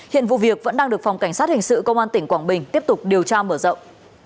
hiện vụ việc vẫn đang được phòng cảnh sát hình sự công an tỉnh quảng bình tiếp tục điều tra mở rộng